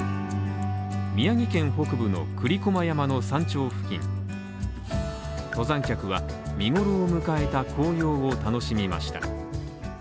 宮城県北部の栗駒山の山頂付近登山客は見頃を迎えた紅葉を楽しみました。